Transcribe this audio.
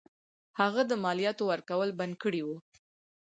هغه د مالیاتو ورکول بند کړي وه.